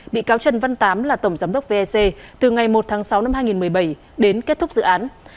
bị cáo trần văn tám là tổng giám đốc vec từ ngày một tháng sáu năm hai nghìn một mươi bảy đến kết thúc dự án